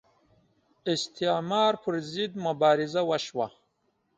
استعمار پر ضد مبارزه وشوه